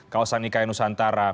kawasan ikaian nusantara